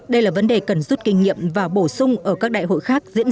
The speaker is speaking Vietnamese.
đây là vấn đề cần rút kinh nghiệm và bổ sung ở các đại hội khác